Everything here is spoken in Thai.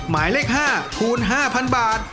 หมายเลข๕คูณ๕๐๐๐บาท